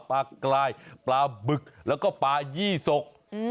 ปลากลายปลาบึกแล้วก็ปลายี่สก